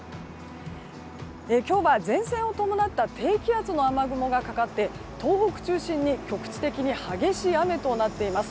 今日は、前線を伴った低気圧の雨雲がかかって東北を中心に局地的に激しい雨となっています。